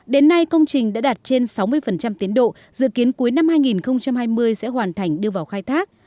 đến nay công trình đã đạt trên sáu mươi tiến độ dự kiến cuối năm hai nghìn hai mươi sẽ hoàn thành đưa vào khai thác